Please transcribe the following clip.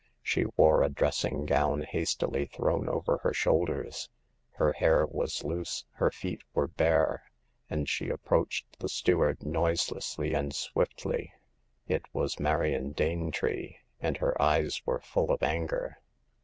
She wore a dressing gown hastily thrown over her shoulders ; her hair was loose, her feet were bare ; and she approached the steward noiselessly and swiftly. It was Marion Danetree, and her eyes were full of anger.